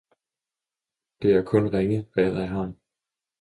det er kun ringe hvad jeg har.